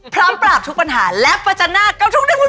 พร้อมปรับทุกปัญหาและปัจจันนาคกับทุกนึงวุ่น